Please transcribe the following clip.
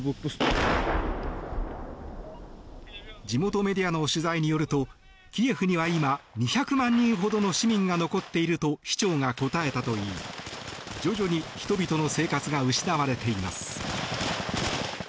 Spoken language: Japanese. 地元メディアの取材によるとキエフには今２００万人ほどの市民が残っていると市長が答えたといい徐々に人々の生活が失われています。